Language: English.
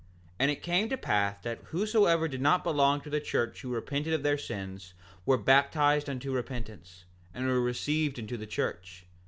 6:2 And it came to pass that whosoever did not belong to the church who repented of their sins were baptized unto repentance, and were received into the church.